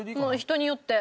人によって。